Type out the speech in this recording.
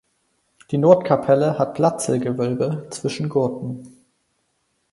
Die Nordkapelle hat Platzlgewölbe zwischen Gurten.